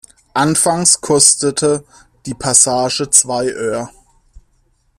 Anfangs kostete die Passage zwei Öre.